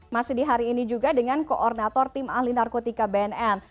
masih di hari ini juga dengan koordinator tim ahli narkotika bnn